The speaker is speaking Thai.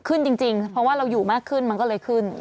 ขึ้นจริงเพราะว่าเราอยู่มากขึ้นมันก็เลยขึ้น